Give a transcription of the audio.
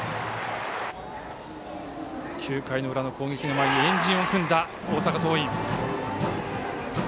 ９回の裏の攻撃の前に円陣を組んだ大阪桐蔭。